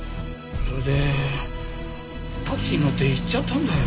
それでタクシーに乗って行っちゃったんだよ。